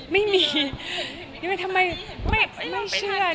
ไม่มีทำไมไม่เชื่อ